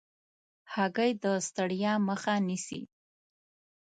هګۍ د ستړیا مخه نیسي.